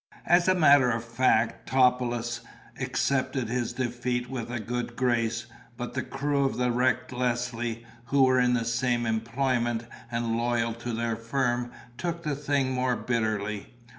As a matter of fact, Topelius accepted his defeat with a good grace; but the crew of the wrecked Leslie, who were in the same employment and loyal to their firm, took the thing more bitterly.